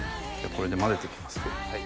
これで混ぜて行きます。